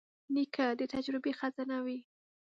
نیکه د تجربې خزانه وي.